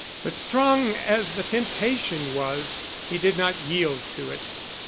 But strong as the temptation was, he did not yield to it.